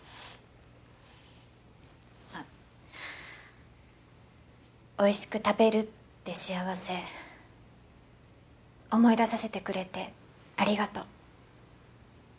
あっおいしく食べるって幸せ思い出させてくれてありがとう。